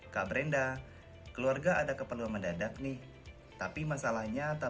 kepala kepala kepala